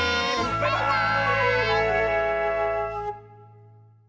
バイバーイ！